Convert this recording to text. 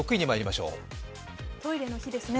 トイレの日ですね。